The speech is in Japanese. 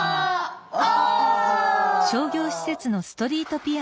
お！